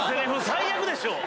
最悪でしょ！